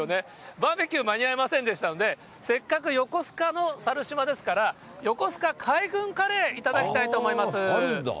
バーベキュー間に合いませんでしたので、せっかく横須賀の猿島ですから、横須賀海軍カレー、頂きたいと思います。